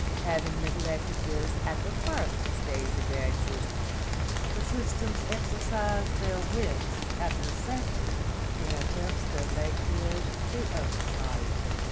Having neglected this at the first stage of their existence, the systems exercise their wits at the second in attempts to make good the oversight."